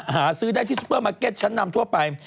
หาซื้อได้ที่ซุปเปอร์มาร์เก็ตชั้นนำทั่วไป